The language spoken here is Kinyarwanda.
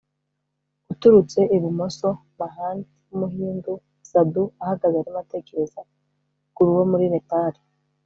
uturutse ibumoso: mahant w’umuhindu; sadhu, ahagaze arimo atekereza; guru wo muri nepali